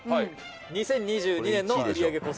「２０２２年の売上個数